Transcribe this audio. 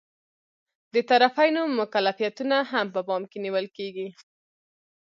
د طرفینو مکلفیتونه هم په پام کې نیول کیږي.